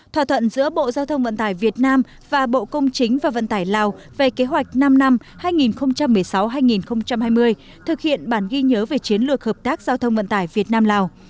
thỏa thuận giữa bộ giao thông vận tải việt nam và bộ công chính và vận tải lào về kế hoạch năm năm hai nghìn một mươi sáu hai nghìn hai mươi thực hiện bản ghi nhớ về chiến lược hợp tác giao thông vận tải việt nam lào